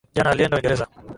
Jana alienda uingereza